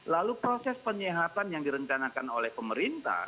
lalu proses penyehatan yang direncanakan oleh pemerintah